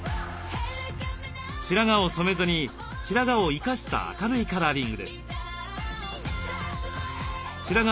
白髪を染めずに白髪を生かした明るいカラーリングです。